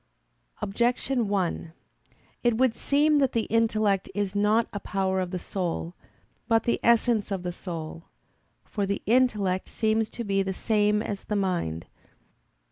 Objection 1: It would seem that the intellect is not a power of the soul, but the essence of the soul. For the intellect seems to be the same as the mind.